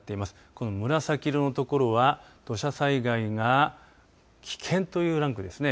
この紫色のところは土砂災害が危険というランクですね